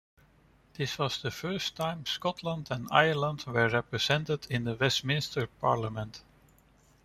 This was the first time Scotland and Ireland were represented in a Westminster Parliament.